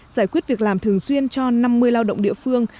giải quyết việc làm thường xuyên cho năm mươi lao động địa phương